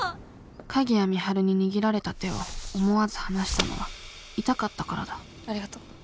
鍵谷美晴に握られた手を思わず離したのは痛かったからだありがとう。